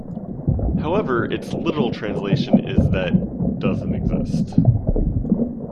However, its literal translation is That doesn't exist.